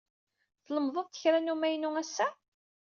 Tlemded-d kra n umaynu ass-a?